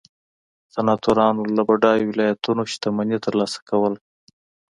سناتورانو له بډایو ولایتونو شتمني ترلاسه کوله